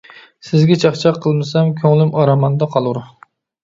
سىزگە چاقچاق قىلمىسام، كۆڭلۈم ئارماندا قالۇر.